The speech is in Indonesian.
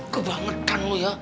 kebangetan lu ya